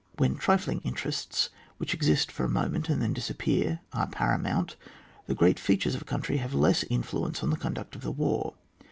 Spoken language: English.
When trifling interests, which exist for a mo ment and then disappear, are paramount, the great features of a country have less influence on the conduct of the war.